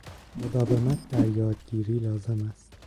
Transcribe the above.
مداومت در یادگیری لازم است